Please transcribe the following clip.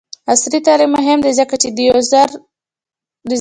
عصري تعلیم مهم دی ځکه چې د یوزر ایکسپیرینس ډیزاین کوي.